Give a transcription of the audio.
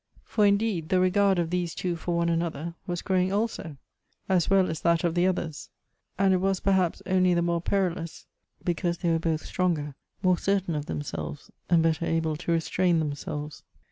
For, indeed, the regard of these two for one another was growing also, as well as that of the others — and it was perhaps only the more jiorilous because they were both stronger, more certain of themselves, and better able to restrain themselves.